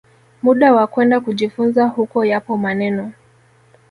muda wa kwenda kujifunza huko Yapo maneno